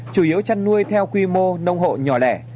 chủ yếu chăn nuôi theo quy mô nông hộ nhỏ lẻ